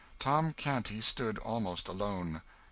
Tom Canty stood almost alone.